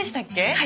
はい。